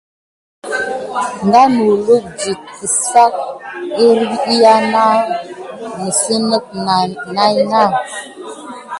Ngawni lulundi tisank kinaya ket naditite nanai.